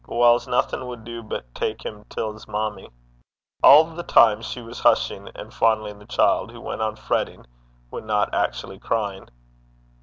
But whiles naething wad du but tak him till 's mammie.' All the time she was hushing and fondling the child, who went on fretting when not actually crying.